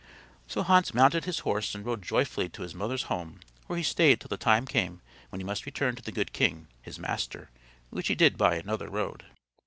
So Hans mounted his horse and rode joyfully to his mother's home where he stayed till the time came when he must return to the good king, his master, which he did by another road.